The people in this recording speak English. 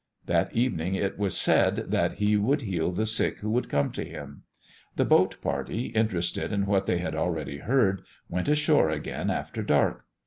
That evening it was said that He would heal the sick who would come to Him. The boat party, interested in what they had already heard, went ashore again after dark.